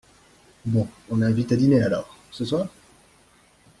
Bon. On l’invite à dîner alors. Ce soir?